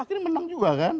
akhirnya menang juga kan